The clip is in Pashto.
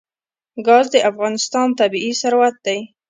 ګاز د افغانستان طبعي ثروت دی.